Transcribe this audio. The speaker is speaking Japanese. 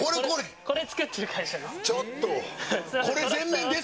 これ作ってる会社です。